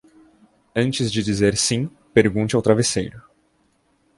Antes de dizer sim, pergunte ao travesseiro.